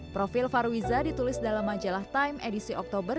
profil farwiza ditulis dalam majalah time edisi oktober